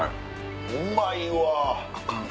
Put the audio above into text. うまいわ！